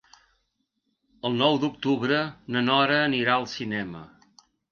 El nou d'octubre na Nora anirà al cinema.